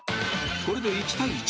［これで１対１］